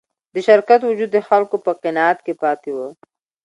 د شرکت وجود د خلکو په قناعت کې پاتې و.